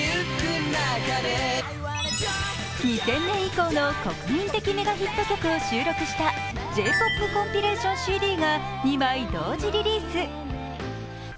２０００年以降の国民的メガヒット曲を収録したＪ−ＰＯＰコンピレーションＣＤが２枚同時リリース。